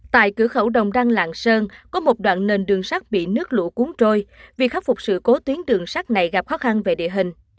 tại cửa khẩu đồng đăng lạng sơn có một đoạn nền đường sắt bị nước lũ cuốn trôi việc khắc phục sự cố tuyến đường sắt này gặp khó khăn về địa hình